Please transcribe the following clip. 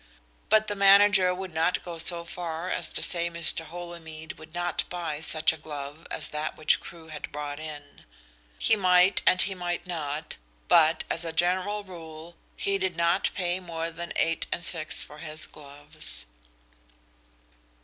But the manager would not go so far as to say that Mr. Holymead would not buy such a glove as that which Crewe had brought in. He might and he might not, but, as a general rule, he did not pay more than 8/6 for his gloves.